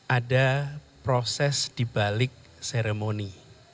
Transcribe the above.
ada proses dibalik seremoni